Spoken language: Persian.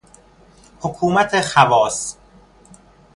حکومت خواص